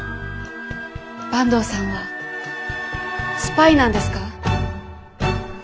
坂東さんはスパイなんですか？